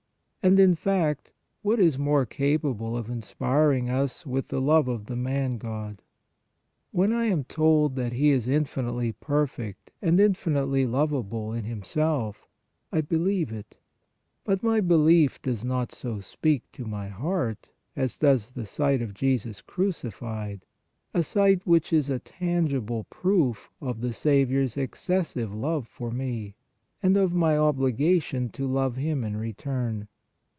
And, in fact, what is more capable of inspiring us with the love of the Man God? When I am told that He is infinitely perfect and infinitely lovable in Himself, I believe it, but my belief does not so speak to my heart, as does the sight of Jesus crucified, a sight which is a tangible proof of the Saviour s excessive love for THE PASSION 1197 me, and of my obligation to love Him in return.